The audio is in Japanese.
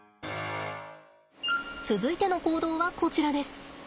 続いての行動はこちらです。